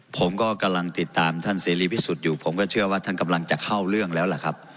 ผมก็กำลังติดตามท่านเสรีพิสุทธิ์อยู่ผมก็เชื่อว่าท่านกำลังจะเข้าเรื่องแล้วล่ะครับ